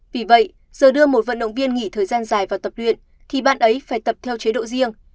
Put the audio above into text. vì vậy giờ đưa một vận động viên nghỉ thời gian dài vào tập luyện